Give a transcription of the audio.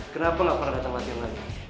kenapa nggak pernah datang latihan lagi